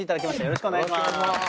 よろしくお願いします。